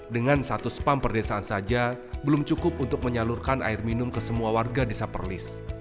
dengan satu spam perdesaan saja belum cukup untuk menyalurkan air minum ke semua warga desa perlis